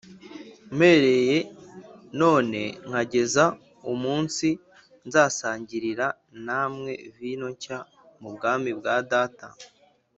mpereye none nkageza umunsi nzasangirira namwe vino nshya mu bwami bwa Data